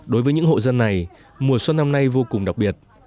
đối với những hộ dân này mùa xuân năm nay vô cùng đặc biệt